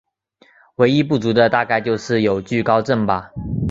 唯一不足的大概就是有惧高症吧。